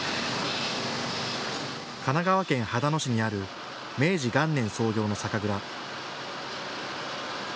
神奈川県秦野市にある明治元年創業の酒蔵。